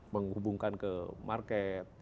menghubungkan ke market